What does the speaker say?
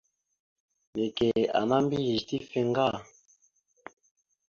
Neke ana mbiyez tife ŋga.